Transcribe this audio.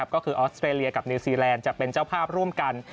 ก็คือออสเตรเลียกับนิวซีแลนด์จะเป็นเจ้าภาพร่วมกัน